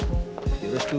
よろしく。